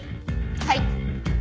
はい。